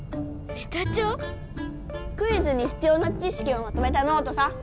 クイズにひつような知しきをまとめたノートさ。